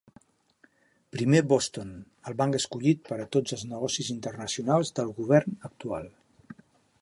Primer Boston, el banc escollit per a tots els negocis internacionals del govern actual.